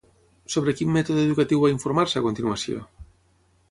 Sobre quin mètode educatiu va informar-se a continuació?